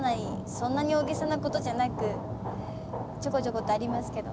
そんなに大げさなことじゃなくちょこちょことありますけど。